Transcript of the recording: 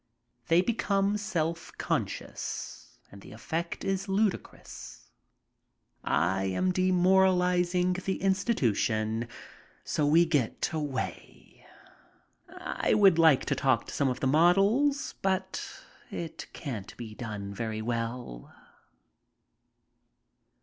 They become self conscious and the effect is ludicrous. I am demoralizing the institution, so we get away. I would like to talk to some of the models, but it can't be done very well.